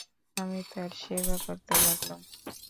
আমি তার সেবা করতে লাগলাম।